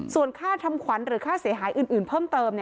ส่วนค่าทำขวัญหรือค่าเสียหายอื่นเพิ่มเติม